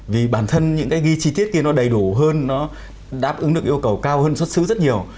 vì bản thân những cái ghi chi tiết kia nó đầy đủ hơn nó đáp ứng được yêu cầu cao hơn xuất xứ rất nhiều